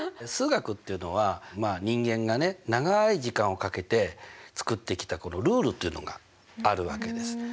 数学っていうのは人間がね長い時間をかけて作ってきたこのルールというのがあるわけです。